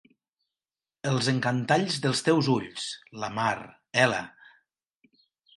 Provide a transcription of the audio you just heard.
Els encantalls dels teus ulls: la mar, ela!...